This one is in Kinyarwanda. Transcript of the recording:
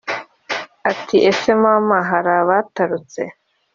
ati"ese mama harabatarutse